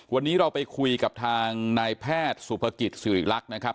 วันนี้เราไปคุยกับทางนายแพทย์สุภกิจสิริรักษ์นะครับ